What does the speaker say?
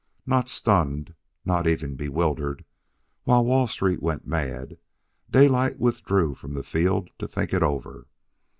Not stunned, not even bewildered, while Wall Street went mad, Daylight withdrew from the field to think it over.